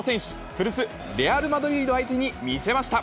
古巣、レアル・マドリード相手に見せました。